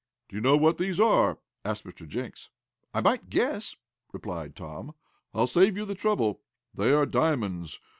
"Do you know what those are?" asked Mr. Jenks. "I might guess," replied Tom. "I'll save you the trouble. They are diamonds!